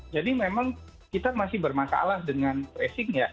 jadi memang kita masih bermasalah dengan tracing ya